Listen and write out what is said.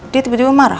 dia tiba tiba marah